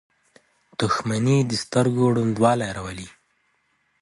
• دښمني د سترګو ړندوالی راولي.